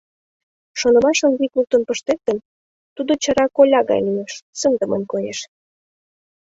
Шонымашым вик луктын пыштет гын, тудо чара коля гай лиеш, сындымын коеш.